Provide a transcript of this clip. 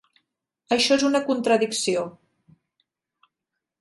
Això és una contradicció.